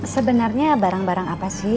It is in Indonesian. sebenarnya barang barang apa sih